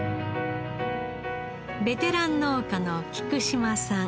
ベテラン農家の菊島さん。